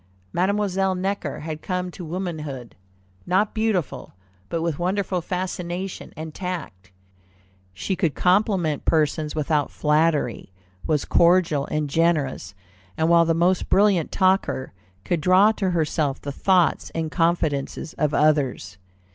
Mademoiselle Necker had come to womanhood, not beautiful, but with wonderful fascination and tact. She could compliment persons without flattery, was cordial and generous, and while the most brilliant talker, could draw to herself the thoughts and confidences of others.